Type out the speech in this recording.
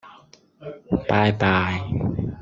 拜拜